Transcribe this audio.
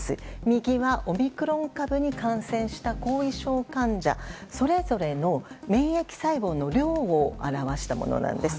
右は、オミクロン株に感染した後遺症患者のそれぞれの免疫細胞の量を表したものなんです。